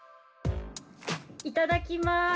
いただきます。